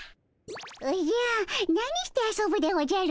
おじゃ何して遊ぶでおじゃる？